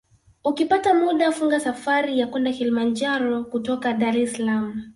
Ukipata muda funga safari ya kwenda Kilimanjaro kutoka Dar es Salaam